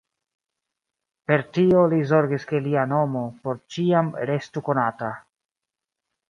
Per tio li zorgis ke lia nomo por ĉiam restu konata.